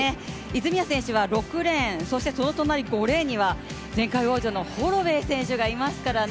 泉谷選手は６レーン、そしてその隣５レーンには前回王者のホロウェイ選手がいますからね。